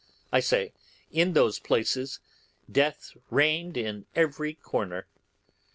I say, in those places death reigned in every corner.